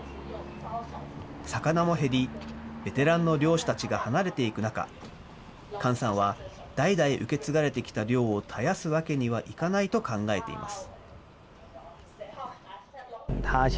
魚も減り、ベテランの漁師たちが離れていく中、簡さんは代々受け継がれてきた漁を絶やすわけにはいかないと考えています。